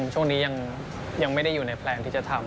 ช่วงนี้ยังไม่ได้อยู่ในแพลนที่จะทำ